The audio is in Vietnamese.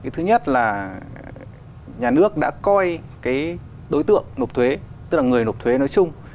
thứ nhất là nhà nước đã coi đối tượng nộp thuế tức là người nộp thuế nói chung